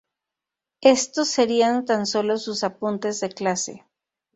Estos serían tan solo sus ""apuntes de clase"".